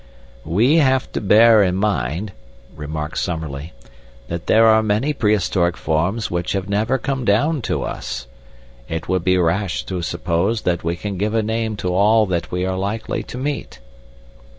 "We have to bear in mind," remarked Summerlee, "that there are many prehistoric forms which have never come down to us. It would be rash to suppose that we can give a name to all that we are likely to meet."